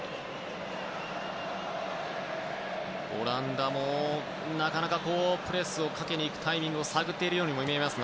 オランダもなかなかプレスをかけに行くタイミングを探っているように見えます。